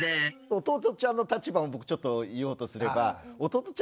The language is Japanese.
弟ちゃんの立場も僕ちょっと言おうとすれば弟ちゃん